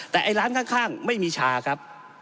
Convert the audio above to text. แต่ไอ้ร้านข้างไม่มีชาครับ